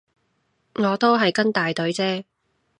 我都係跟大隊啫